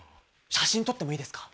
写真撮ってもいいですか？